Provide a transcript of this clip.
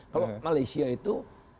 kalau malaysia itu